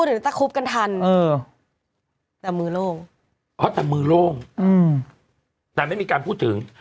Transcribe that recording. เดี๋ยวจะคุบกันทันเออแต่มือโล่งอ๋อแต่มือโล่งอืมแต่ไม่มีการพูดถึง